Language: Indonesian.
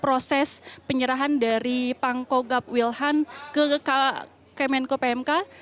proses penyerahan dari pangkogap wilhan ke kemenko pmk